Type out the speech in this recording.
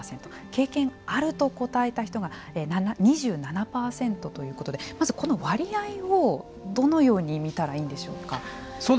経験があると答えた人が２７％ということでまず、この割合をどのように見たらいいんでしょうか。